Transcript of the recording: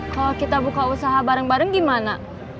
kalau kita buka usaha bareng bareng gimana